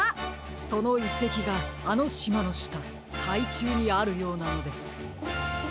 そのいせきがあのしまのしたかいちゅうにあるようなのです。